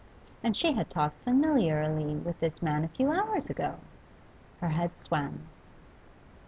And she had talked familiarly with this man a few hours ago! Her head swam.